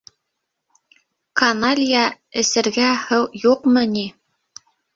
Каналья... эсергә... һыу юҡмы ни?!